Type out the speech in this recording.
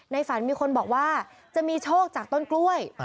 ฝันมีคนบอกว่าจะมีโชคจากต้นกล้วย